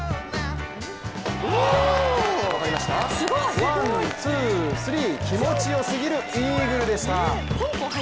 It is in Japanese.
ワン、ツー、スリー気持ちよすぎるイーグルでした。